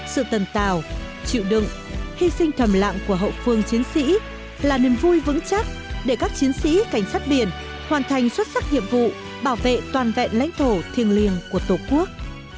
sự tần tào chịu đựng hy sinh thầm lạng của hậu phương chiến sĩ là niềm vui vững chắc để các chiến sĩ cảnh sát biển hoàn thành xuất sắc nhiệm vụ bảo vệ toàn vẹn lãnh thổ thiêng liềng của tổ quốc